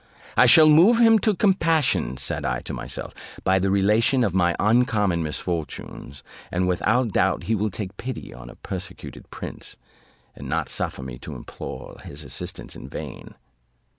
"I shall move him to compassion," said I to myself, "by the relation of my uncommon misfortunes, and without doubt he will take pity on a persecuted prince, and not suffer me to implore his assistance in vain."